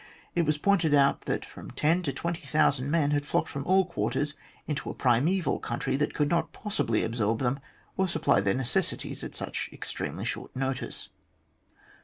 It was pointed out that from ten ta twenty thousand men had flocked from all quarters into a primeval country that could not possibly absorb them or supply their necessities at such extremely short notice.